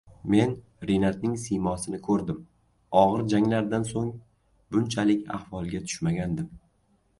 men Rinatning siymosini ko‘rdim, og‘ir janglardan so‘ng bunchalik ahvolga tushmagandim